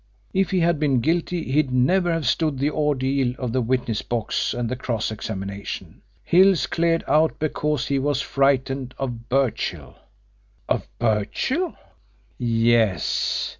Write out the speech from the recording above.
If he had been guilty he'd never have stood the ordeal of the witness box and the cross examination. Hill's cleared out because he was frightened of Birchill." "Of Birchill?" "Yes.